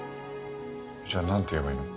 じゃあ何て言えばいいの？